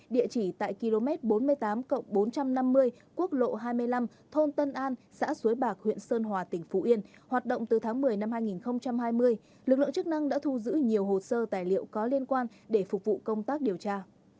địa chỉ tại km bốn mươi tám bốn trăm năm mươi quốc lộ hai mươi năm thôn tân an xã suối bạc huyện sơn hòa tỉnh phú yên hoạt động từ tháng một mươi năm hai nghìn hai mươi lực lượng chức năng đã thu giữ nhiều hồ sơ tài liệu có liên quan để phục vụ công tác điều tra